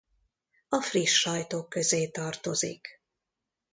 A friss sajtok közé tartozik.